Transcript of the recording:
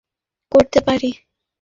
আমি কোনো সাহায্য করতে পারি?